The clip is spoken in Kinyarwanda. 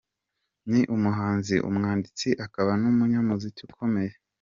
Ni umuhanzi, umwanditsi akaba n’umunyamuziki ukomeye .